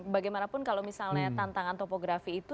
bagaimanapun kalau misalnya tantangan topografi itu